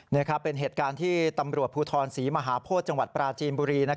นี่ครับเป็นเหตุการณ์ที่ตำรวจภูทรศรีมหาโพธิจังหวัดปราจีนบุรี